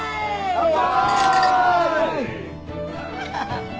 乾杯！